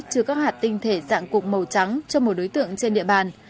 chứa các hạt tinh thể dạng cục màu trắng cho một đối tượng trên địa bàn